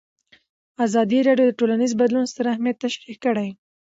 ازادي راډیو د ټولنیز بدلون ستر اهميت تشریح کړی.